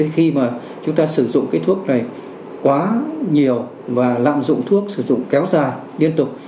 khi mà chúng ta sử dụng cái thuốc này quá nhiều và lạm dụng thuốc sử dụng kéo dài liên tục